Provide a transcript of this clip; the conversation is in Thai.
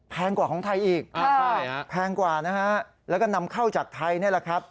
กว่าของไทยอีกแพงกว่านะฮะแล้วก็นำเข้าจากไทยนี่แหละครับ